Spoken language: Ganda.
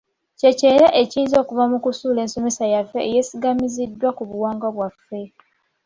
Kyekyo era ekiyinza okuva mu kusuula ensomesa yaffe eyesigamiziddwa ku buwangwa bwaffe.